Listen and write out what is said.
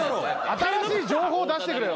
新しい情報出してくれよ。